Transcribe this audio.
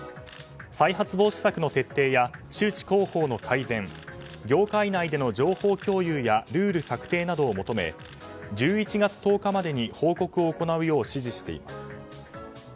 再発防止策の徹底や周知広報の改善業界内での情報共有やルール策定などを求め１１月１０日までに報告を行うよう指示しています。